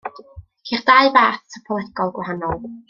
Ceir dau fath topolegol gwahanol.